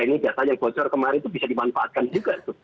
ini data yang bocor kemarin itu bisa dimanfaatkan juga tuh